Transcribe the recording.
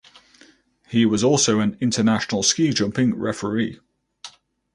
He was also an international ski jumping referee.